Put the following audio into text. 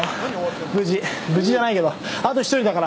無事じゃないけどあと１人だから。